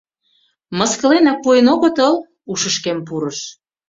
Мыскыленак пуэн огытыл?» — ушышкем пурыш.